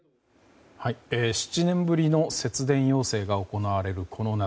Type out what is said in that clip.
７年ぶりの節電要請が行われるこの夏。